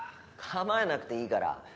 構えなくていいから。